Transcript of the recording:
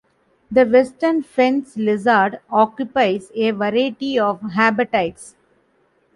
The western fence lizard occupies a variety of habitats.